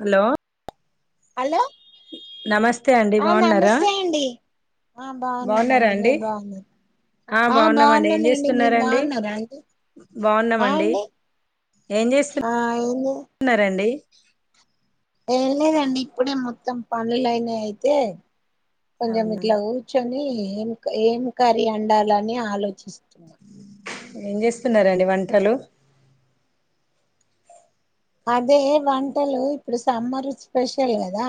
Hello hello నమస్తే అండి ఆ బాగున్నారా నమస్తే అండి ఆ బాగున్నారా బాగున్నామండి అండి మీరు బాగు ఆ బాగున్నామండి ఏం బాగున్నానండి మీరు చేస్తున్నారండి బాగున్నారా అండి ఆ బాగున్నామండి అండి ఏం చేస్ ఆ ఏం [unintelligible] న్నారండి ఏం లేదండి ఇప్పుడే మొత్తం పనులయినా అయితే కొంచెం అవునా ఇట్ల కూర్చొని ఏం ఏం కర్రీ వండాలని ఆలోచిస్తన్న ఏం చేస్తున్నారండి వంటలు అదే వంటలు ఇప్పుడు సమ్మర్ స్పెషల్ కదా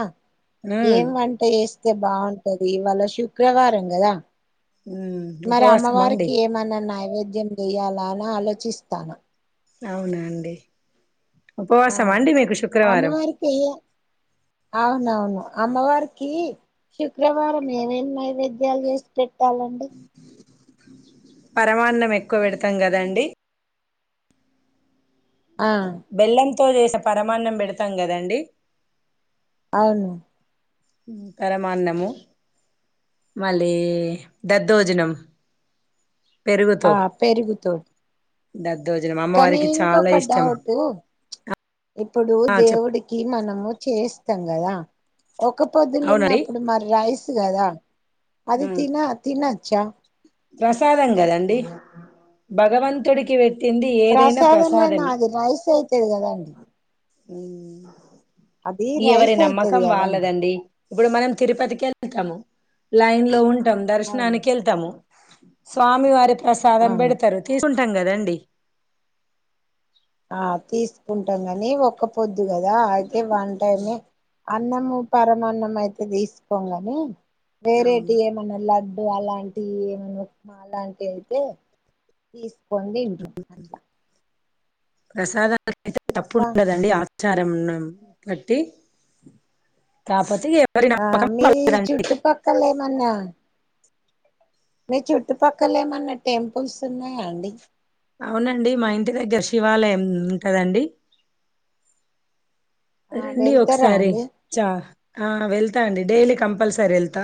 ఉమ్ ఏం వం [unintelligible] స్తే బాగుంటది ఇవాళ శుక్రవారం కదా ఉమ్ మరి ఉపవాసమా అండి అమ్మవారికి ఏమన్నా నైవేద్యం చేయాలా అని ఆలోచిస్తాన అవునా అండి ఆ ఉపవాసమ అండి మీకు శుక్రవారం అమ్మవారికి అవునవును అమ్మవారికి శుక్రవారం ఏమేమి నైవేద్యాలు చేసి పెట్టాలండి పరమానం ఎక్కువ పెడతాం కదండి ఆ బెల్లంతో చే [unintelligible] పరమాన్నం పెడతాం కదండి అవును పరమాన్నము మళ్ళీ దద్దోజనం పెరుగుతో ఆ పెరుగుతో దద్దోజనం అమ్మవారికి చాల ఇంకొక ఇష్టం డౌట్ ఇప్పుడు ఆ చెప్ దేవుడికి మనము చేయిస్తాం కదా ఒక్కపొద్దులు అవునండి ఉన్నప్పుడు మరి రైస్ కదా అది ఉమ్ తిన తినచ్చా ప్రసాదం కదండి భగవంతుడికి వె ట్టింది ఏదైనా ప్రసాదమైన ప్రసాదమే అది రైస్ అయితది కదండి అది ఎవరి రైస్ అయితది నమ్మకం కదండి వాళ్ళదండి ఇప్పుడు మనం తిరుపతికెళ్తాము లైన్ లో ఉంటాం అవును దర్శనానికి ఎళ్తాము స్వామి వారి ప్రసాదం అవును పెడతారు తీసుకుంటాం కదండి ఆ తీసుకుంటాం కానీ ఒక్క పొద్దు కదా అయితే వన్ టైమే అన్నము పరమన్నం అయితే తీసుకోం గానీ అవును వేరేటి ఏమనా ల డ్డు అలాంటివి ఏమనా ఉప్మా లాంటివి అయితే తీసుకోని తింటాం అట్లా ప్రసాదా [unintelligible] తప్పు ఇంకా ఉండదండి ఆ చారం నం కట్టి కాపోతో య ఆ మీ చుట్టుపక్కల ఏమన్నా మీ చుట్టుపక్కల ఏమన్నా టెంపుల్స్ ఉన్నాయా అండి అవునండి మా ఇంటి దగ్గర శివాలయం ఉంటదండి ఆ రండి వెళ్తారా ఒకసారి అండి చా ఆ వెళ్తా అండి డైలీ కంపల్సరీ వెళ్తా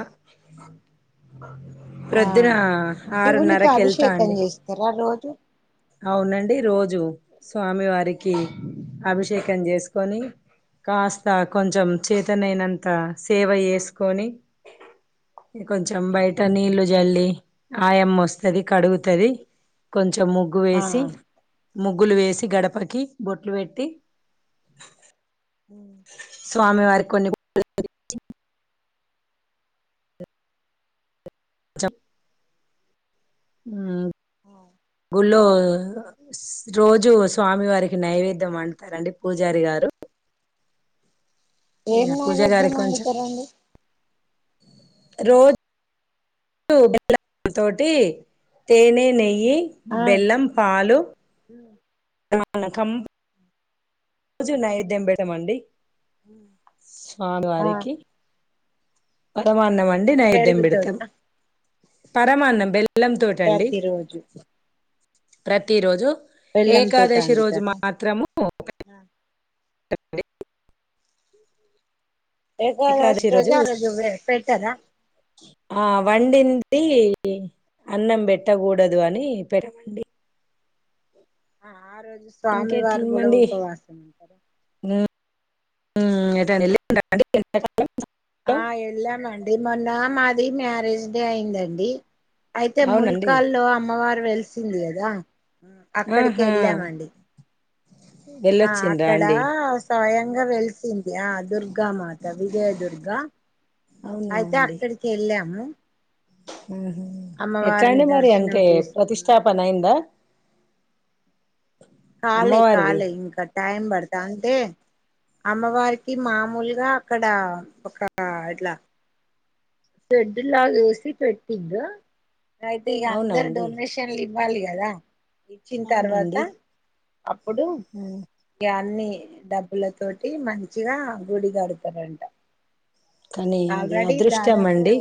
ఆ ప్రొద్దున ఆరున్నరకి ఎళ్తా అండి తెరా రోజూ అవునండి రోజూ స్వామి వారికి అభిషేకం చేసుకొని కాస్త కొంచెం చేతనయినంత సేవ చేసుకొని కొంచెం బయట నీళ్ళు జల్లి ఆయమ్మ వస్తుది కడుగుతది కొంచెం ముగ్గు ఆ ఆ వేసి ముగ్గులు వేసి గడపకి బొట్లు పెట్టి ఊ స్వామి వారికి కొన్ని చ ఊ ఓ గుళ్ళో రోజు స్వామి వారికి నైవేద్యం వండుతారండి పూజారి గారు ఏం ఇగ పూజా నైవేద్యం వండుతారండి రో [unintelligible] తోటి తేనె నెయ్యి బెల్లం పాలు ఊ పానకం రోజూ నైవేద్యం పె [unintelligible] తామండి స్వామి ఆ వారికి పరమాన్నం అండి నైవేద్యం పెడుతాం పెరుగుతోట పరమాన్నం బె ల్లం తోటి అండి ప్రతి రోజు ప్రతి రోజూ బెల్లం తోట ఏకాదశి రోజు వండుతారా మాత్రము [unintelligible] ఏకాదశి రోజు ఆ రోజు పెట్టరా ఆ వండింది అన్నం పెట్టకూడదు అని పెట్టమండి ఆ రోజు స్వామి వారు కూడా ఇంకేంటండి ఉపవాసం ఉంటరా ఉమ్ ఎటన్నా [unintelligible] ఆ ఎళ్ళామండి మొన్న మాది మ్యారేజ్ డే అయ్యిందండి అయితే అవునండి ముల్కాల్లో అమ్మవారు వెలిసింది కదా అక్కడికి ఆహా ఎళ్ళామండి ఆ వెళ్ళొచ్చిండ్రా అక్కడ అండి స్వయంగా వెలిసింది ఆ దుర్గామాత విజయదుర్గా అవునా అయితే అక్కడికి వెళ్ళాము ఆహ అమ్మవారిని ఎట్లాండి మరి దర్శనం అంటే చేసుకున్నాం ప్రతిష్టాపన అయిందా కాలే అమ్మవారిది కాలే ఇంకా టైమ్ పడతాది అంటే అమ్మవారికి మామూలుగా అక్కడ ఒక ఇట్లా షెడ్డిలాగా ఏసి పెట్టింలు అయితే ఇక అవునా అందరు అండి డొనేషన్లు ఇవ్వాలి కదా ఇచ్చిన తర్వాత అవునండి అప్పుడు ఉమ్ ఆ అన్నీ డబ్బులతోటి మంచిగా గుడి కడతారంట కానీ అది ఆల్రెడీ అదృష్టం దాదాపు అండి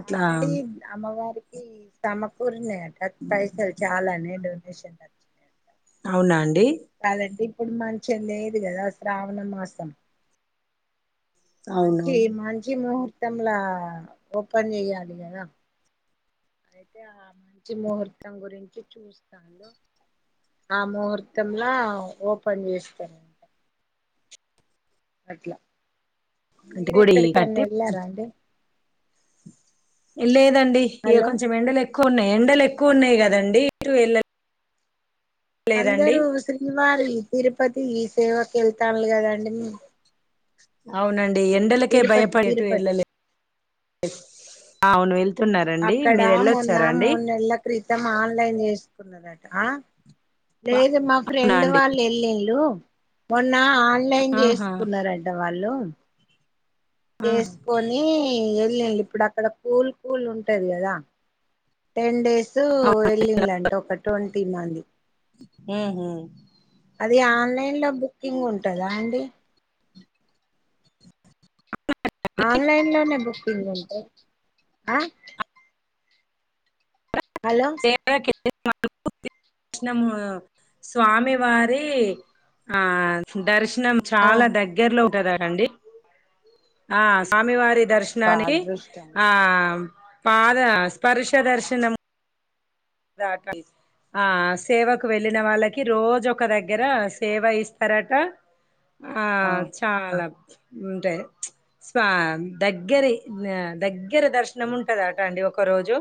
అట్లా ఆల్రెడీ అమ్మవారికి సమకూరినాయట పైసలు చాలానే డొనేషన్లో అవునాండి కాదండి ఇప్పుడు మంచిగా లేదు కదా, శ్రావణమాసం అవును మంచి మంచి ముహూర్తంల ఓపెన్ చెయ్యాలి కదా అయితే ఆ మంచి ముహూర్తం గురించి చూస్తారు ఆ ముహూర్తంలా ఓపెన్ చేస్తారు అట్లా అంటే గుడి మీరెక్కడికెన్న కట్టి వెళ్ళారాండీ లేదండి ఇక కొంచెం ఎండలు ఎక్కువ ఉన్నాయి ఎండలు ఎక్కువ ఉన్నాయి కదండి ఎటు వెళ్ళలేదు అందరూ శ్రీవారి తిరుపతి ఈ సేవకి వెళ్తారు కదాండి అవునండి ఎండలకే తిరుపతి భయపడి ఎటూ తిరుపతి ఏళ్లలేదు అవును వెళ్ళ లే తున్నారండి అక్కడ మీరు మొన్న వెళ్ళొచ్చారాండి మూడు నెలల క్రితం ఆన్లైన్ చేసుకున్నారట లేదు మా అవునా ఫ్రెండ్ అండి వాళ్ళ ఎల్లిల్లు మొన్న ఆన్లైన్ ఆహా చేసుకున్నారంట వాళ్ళు ఆహా చేసుకొని వెళ్ళిలు ఇప్పుడు అక్కడ కూల్ కూల్ ఉంటది కదా టెన్ డేస్ వెళ్ళింట ఒక ట్వంటీ మంది ఉహు అది ఆన్లైన్లో బుకింగ్ ఉంటందాండి ఆన్లైన్లోనే బుక్కింగ్ ఉంటది ఆ హలో! చే [unintelligible] వచ్చినం స్వామి వారి ఆ దర్శనం ఆ చాలా దగ్గరలో ఉంటదండి ఆ స్వామివారి అబ్బా దర్శనానికి అదృష్టం ఆ పాద స్పర్శ దర్శనం దాకా ఆ సేవకు వెళ్ళిన వాళ్ళకి రోజ ఒక దగ్గర సేవ ఇస్తారట ఆ చాలా ఉంటాయి స్వా దగ్గరి దగ్గర దర్శనం ఉంటదట అండి ఒక రోజు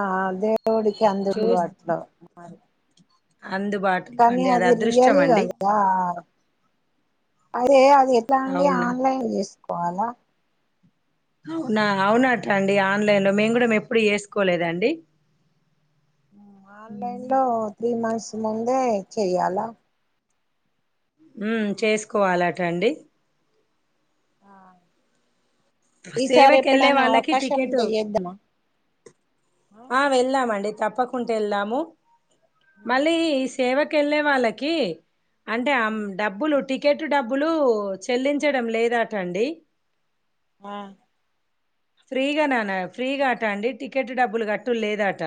ఆ దేవుడికి అందుబాటులో మరి అందుబాటు కానీ అది రియల్గాద ఆ అదే అది ఎలాండి అవును ఆన్లైన్ చేసుకోవాలా అవునా అవునట్ట అండి ఆన్లైన్లో మేము కూడా ఎప్పుడ చేసుకోలేదండి ఆన్లైన్లో త్రీ మంత్స్ ముందే చెయ్యాల ఉ చేసుకోవాలట అండి ఈసారి సేవకి వెళ్ళే ఎప్పుడైనా వాళ్ళకి అవకాశం టికెట్ ఉంటే చేద్దమా ఆ వెళ్దామండి తప్పకుంటే వెళదాము ఉమ్ మళ్ళీ సేవకి వెళ్ళే వాళ్ళకి అంటే ఆ ఉమ్ డబ్బులుంటి టికెట్ డబ్బులు చెల్లించడం లేదా అట అండి ఆ ఫ్రీగా నాన ఫ్రీగా ఆట అండి టికెట్ డబ్బులు గట్టు లేదా అట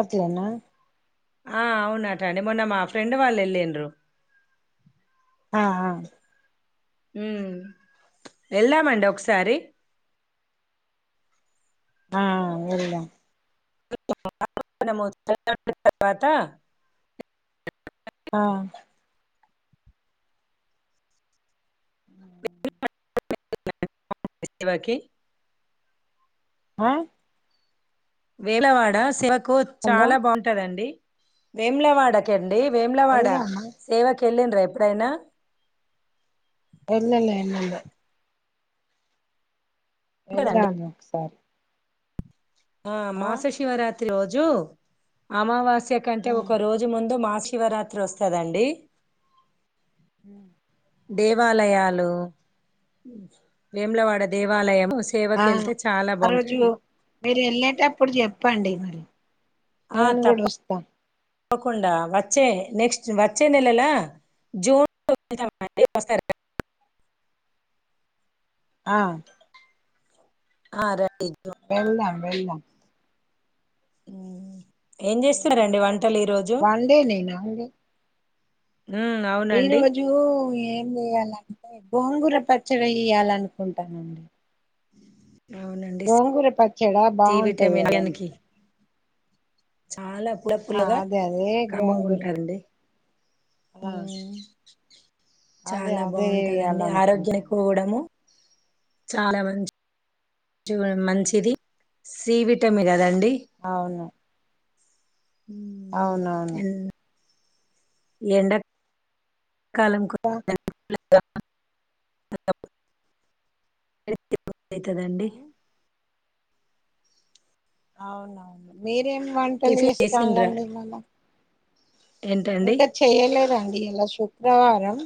అట్లనా ఆ అవునట అండి మొన్న మా ఫ్రెండ్ వాళ్ళు వెళ్ళిన్రు అఆ ఉ వెళ్ళామండి ఒకసారి ఆ వెదా [unintelligible] తరువాత ఆ ఉ సేవకి ఆ వేలవాడ శివకు హలో చాలా బాగుంటదండి వేములవాడ కండి వేములవాడ వెళ్దామా సేవకి వెళ్ళిండ్రా ఎప్పుడైనా ఎల్లలె ఇల్ ఉంటదండి ఎళ్లాను ఒకసారి ఆ మాస శివరాత్రి రోజు అమావాస్య కంటే ఉమ్ ఒక రోజు ముందు మశివరాత్రి వస్తదండి ఉ దేవాలయాలు వేములవాడ దేవాలయం ఆ సేవకి వెళ్తే చాలా ఆ రోజు బాగుంటది మీరు ఎల్లేటప్పుడు చెప్పండి మరి ఆ నేను కూడా తప్ప వస్తా తకుండా వచ్చే నెక్స్ట్ వచ్చే నెలలా జూన్ వస్తారా ఆ ఆ రండి వెళ్లం వెళ్లం ఉ ఏం జూన్ చేస్తురండి లో వంటలు ఈరోజు వన్ డే నేనా అండి హు ఈ అవునండి రోజు ఏం వేయాలంటే గోంగుర పచ్చడి వెయ్యాల అనుకుంటానండి అవునండి గోంగూర పచ్చడి సి బాగుంటది విటమిన్ కదండి కి చాలా అప్పుల ఆ పుల్లగా అదే అదే కమ్మగా గోంగూర ఉంటదండి ఆ ఉ అదే చాలా అదే బాగుంటదండి వేయాలనుకుంటాను ఆరోగ్యానికిడము చాలా మంచి మంచిది సీవిటమి కదండి అవును అవునవును ఎండ కాలంకు అయితదండి అవునవును మీరేం వంటలు టిఫిన్ చేసిండ్రా చేస్తారండి మళ్ళ ఏంటండి ఇంకా చేయలేదండి ఇలా శుక్రవారం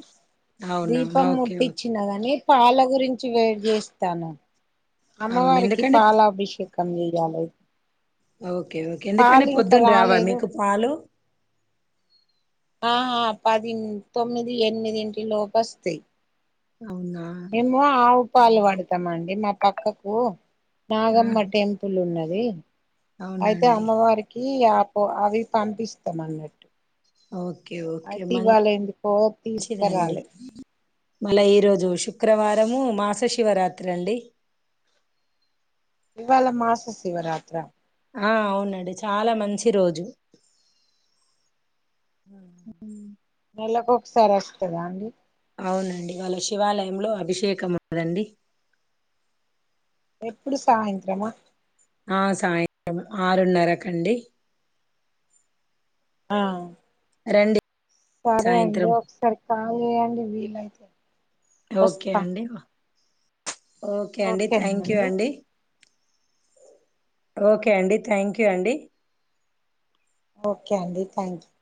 అవునవును దీపం ఓకే ఓకే ముట్టించిన కాని పాల గురించి వేడి చేస్తాను అవును అమ్మవారికి ఎందుకండి పాల అభిషేక్ కం [inaudible] ఓకే ఓకే ఎందుకంటే ఇంకా పొద్దున్న రావా రాలేదు మీకు పాలు ఆ ఆ పది తొమ్మిది ఎనిమిదింటి లోపు వస్తాయి అవునా మేము ఆవు పాలు పడతాం అండి మా పక్కకు ఆహా, నాగమ్మ టెం తులు ఉన్నది అవునా అయితే అండి అమ్మవారికి ఆ పో అవి పంపిస్తాం అన్నట్టు ఓకే ఓ అయితే ఇవ్వాలి ఎందుకో తీసకురాలే మళ్ళ ఈ రోజు శుక్రవారము మాస శివరాత్రి అండి ఇవాళ మాస శివరాత్ర ఆ అవునండి చాలా మంచి రోజు మ్మ్ మ్మ్ నెలకు ఒకసారి వస్తదా అండి అవునండి ఇవాళ శివాలయంలో అభిషేకం ఉంటదండి ఎప్పుడు సాయంత్రమా ఆ సాయంత్రం ఆరున్నరకండి ఆ రెండి సరే అండి ఒకసారి కాల్ చేయండి వీలైతే ఓకే వస్తా అండి ఓకే అండి థ్యాంక్ యూ ఓకేనండి అండి ఓకే అండి థ్యాంక్ యూ అండి ఓకే అండి థ్యాంక్ యూ